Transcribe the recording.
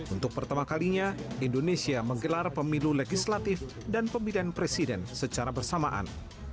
untuk pertama kalinya indonesia menggelar pemilu legislatif dan pemilihan presiden secara bersamaan